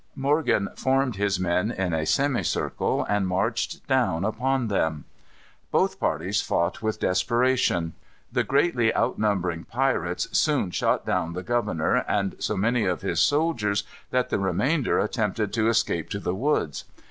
Morgan formed his men in a semicircle, and marched down upon them. Both parties fought with desperation. The greatly outnumbering pirates soon shot down the governor, and so many of his soldiers, that the remainder attempted to escape to the woods.